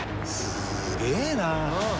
すげえな！